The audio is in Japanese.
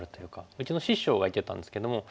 うちの師匠が言ってたんですけども。